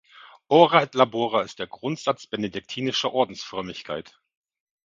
Ora et Labora ist der Grundsatz benediktinischer Ordensfrömmigkeit.